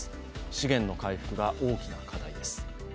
資源の回復が大きな課題です。